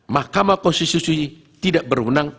mahkamah konstitusi tidak berwenang